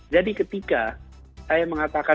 jadi ketika saya mengatakan